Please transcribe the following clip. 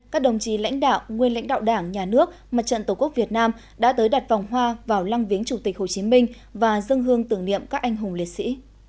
các đồng chí lãnh đạo nguyên lãnh đạo đảng nhà nước mặt trận tổ quốc việt nam đã tới đặt vòng hoa vào lăng viếng chủ tịch hồ chí minh và dân hương tưởng niệm các anh hùng liệt sĩ